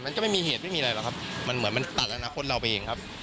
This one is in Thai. มันก็ไม่มีเหตุไม่มีอะไรหรอกครับมันเหมือนมันตัดอนาคตเราไปเองครับ